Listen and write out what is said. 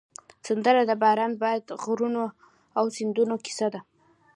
سندره د باران، باد، غرونو او سیندونو کیسه ده